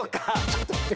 ちょっと待って。